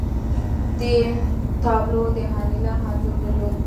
دې تابلو د انیلا انځور درلود